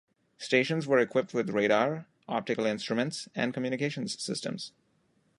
Stations were equipped with radar, optical instruments, and communications systems.